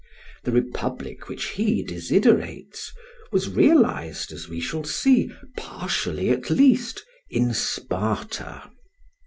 The republic which he desiderates was realised, as we shall see, partially at least, in Sparta.